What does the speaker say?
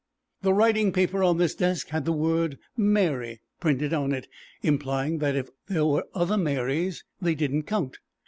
The writing paper on this desk had the word Mary printed on it, implying that if there were other Marys they didn't count.